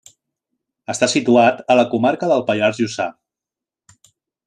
Està situat a la comarca del Pallars Jussà.